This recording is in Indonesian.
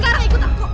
kakak ikut aku